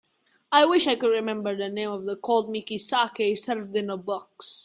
I wish I could remember the name of the cold milky saké served in a box.